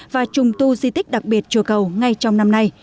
và trùng tu di tích đặc biệt chùa cầu ngay trong năm nay